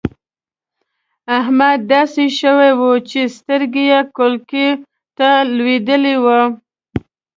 احمد داسې شوی وو چې سترګې يې کولکو ته لوېدلې وې.